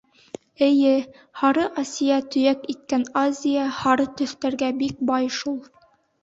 Эйе, һары Асия төйәк иткән Азия һары төҫтәргә бик бай шул.